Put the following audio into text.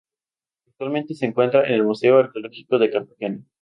Actualmente se encuentra en el Museo Arqueológico de Cartagena.